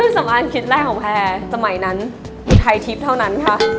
สำคัญคิดแรกของแพรสมัยนั้นอุทัยทิพย์เท่านั้นค่ะ